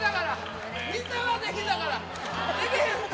みんなはできたから。